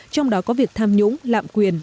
trong đó có việc tham nhũng lạm quyền